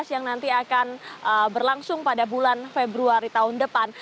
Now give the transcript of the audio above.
yang nanti akan berlangsung pada bulan februari tahun depan